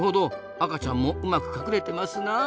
赤ちゃんもうまく隠れてますな。